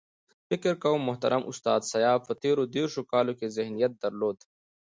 فکر کوم محترم استاد سیاف په تېرو دېرشو کالو کې ذهانت درلود.